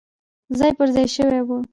ځای پر ځای شوي وو.